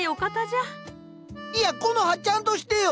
いやコノハちゃんとしてよ。